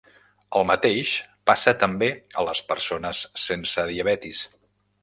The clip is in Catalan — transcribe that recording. El mateix passa també a les persones sense diabetis.